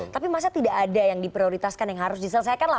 tapi masa tidak ada yang diprioritaskan yang harus diselesaikan lah